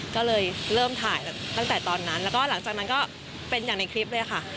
ก็เลยเริ่มถ่ายตั้งแต่ตอนนั้นแล้วก็หลังจากนั้นก็เป็นอย่างในคลิปเลยค่ะ